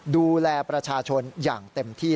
ดูแลประชาชนอย่างเต็มที่